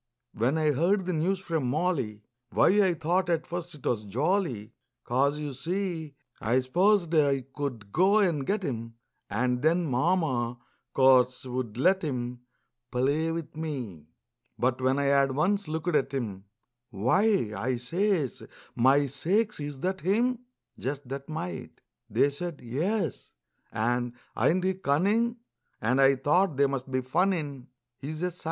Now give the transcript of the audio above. When I heard the news from Molly, Why, I thought at first 't was jolly, 'Cause, you see, I s'posed I could go and get him And then Mama, course, would let him Play with me. But when I had once looked at him, "Why!" I says, "My sakes, is that him? Just that mite!" They said, "Yes," and, "Ain't he cunnin'?" And I thought they must be funnin', He's a _sight!